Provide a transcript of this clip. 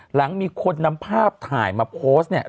หลังมีคนนำภาพถ่ายมาโพสต์เนี่ย